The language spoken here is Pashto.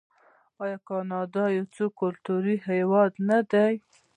آیا کاناډا یو څو کلتوری هیواد نه دی؟